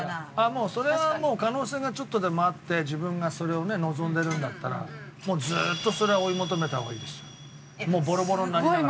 もうそれは可能性がちょっとでもあって自分がそれを望んでるんだったらもうずっとそれは追い求めた方がいいですよ。